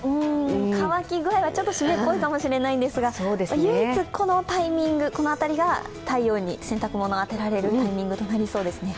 乾き具合はちょっと湿っぽいかもしれないんですが、唯一このタイミング、この辺りが太陽に洗濯物を当てられるタイミングとなりそうですね。